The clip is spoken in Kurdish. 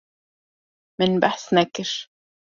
Min behs nekir.